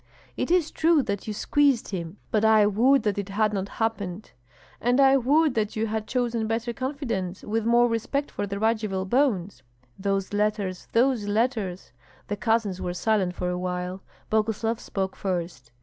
"It is true that you squeezed him, but I would that it had not happened." "And I would that you had chosen better confidants, with more respect for the Radzivill bones." "Those letters! those letters!" The cousins were silent for a while. Boguslav spoke first.